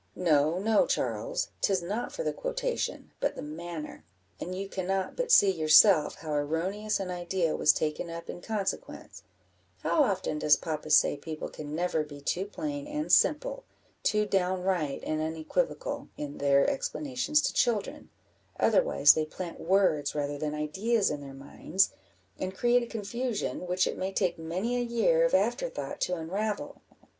"No, no, Charles, 'tis not for the quotation, but the manner, and you cannot but see yourself how erroneous an idea was taken up in consequence; how often does papa say people can never be too plain and simple, too downright and unequivocal, in their explanations to children, otherwise they plant words rather than ideas in their minds, and create a confusion which it may take many a year of after thought to unravel?"